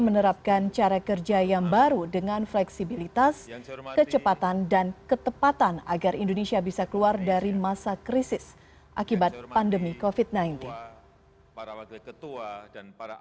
menerapkan cara kerja yang baru dengan fleksibilitas kecepatan dan ketepatan agar indonesia bisa keluar dari masa krisis akibat pandemi covid sembilan belas